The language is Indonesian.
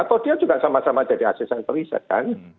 atau dia juga sama sama jadi asisten periset kan